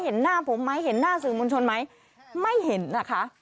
เห็นหน้าผมไหมเห็นหน้าสื่อมวลชนไหมไม่เห็นนะคะ